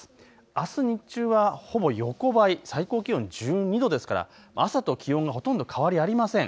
あす日中はほぼ横ばい、最高気温１２度ですから朝と気温がほとんど変わりありません。